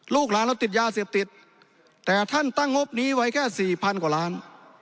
ลูกหลานเราติดยาเสพติดแต่ท่านตั้งงบนี้ไว้แค่สี่พันกว่าล้าน